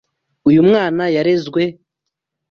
Uyu mwana yarezwe.